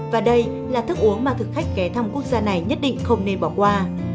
và đây là thức uống mà thực khách ghé thăm quốc gia này nhất định không nên bỏ qua